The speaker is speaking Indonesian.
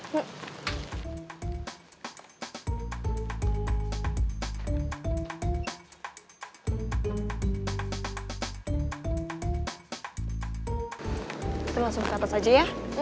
kita langsung ke atas saja ya